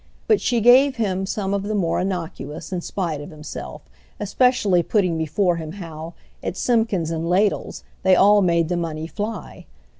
But she gave him some of the more innocuous in spite of himself, especially putting before him how, at Simpkin's and Ladle's, they all made the money fly.